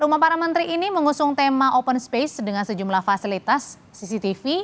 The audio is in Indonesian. rumah para menteri ini mengusung tema open space dengan sejumlah fasilitas cctv